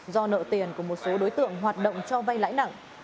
do nợ tiền của một số đối tượng hoạt động cho vay lãi nặng